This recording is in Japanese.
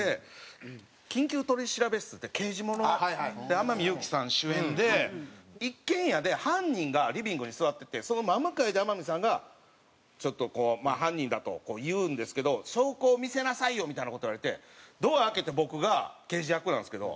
天海祐希さん主演で一軒家で犯人がリビングに座っててその真向かいで天海さんがちょっとこう「犯人だ」と言うんですけど「証拠を見せなさいよ！」みたいな事を言われてドア開けて僕が刑事役なんですけど。